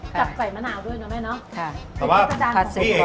กับใส่มะนาวด้วยเชิดเนอะแม่เนเขาค่ะคือภาษาจาลของคุณค่ะแต่วันพี่เอกอ่ะ